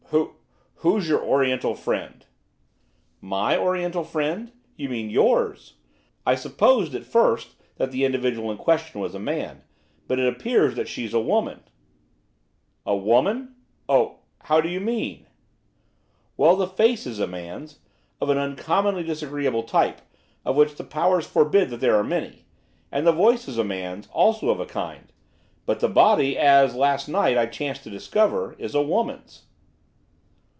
'Who who's your Oriental friend?' 'My Oriental friend? you mean yours. I supposed, at first, that the individual in question was a man; but it appears that she's a woman.' 'A woman? Oh. How do you mean?' 'Well, the face is a man's of an uncommonly disagreeable type, of which the powers forbid that there are many! and the voice is a man's, also of a kind! but the body, as, last night, I chanced to discover, is a woman's.